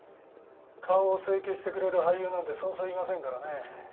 顔を整形してくれる俳優なんてそうそういませんからね。